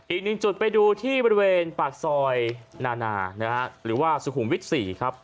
อีกหนึ่งจุดไปดูที่บริเวณปากซอยนานาหรือว่าสุขุมวิทย์๔ครับ